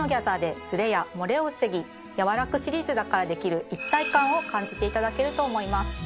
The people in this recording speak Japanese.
「やわ楽」シリーズだからできる一体感を感じていただけると思います。